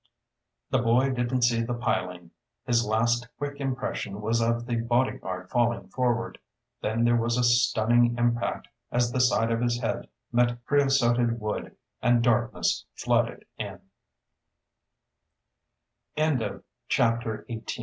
The boy didn't see the piling. His last quick impression was of the bodyguard falling forward, then there was a stunning impact as the side of his head met creosoted wood and darkness floode